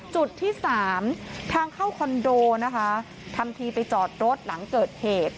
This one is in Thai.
จุดที่สามทางเข้าคอนโดนะคะทำทีไปจอดรถหลังเกิดเหตุ